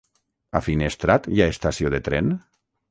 A Finestrat hi ha estació de tren?